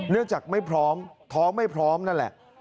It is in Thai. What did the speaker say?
จากไม่พร้อมท้องไม่พร้อมนั่นแหละ